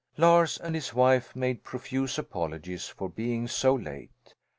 Lars and his wife made profuse apologies for being so late.